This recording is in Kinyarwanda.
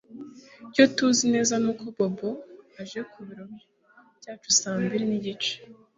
Icyo tuzi ni uko Bobo aje ku biro byacu saa mbiri nigice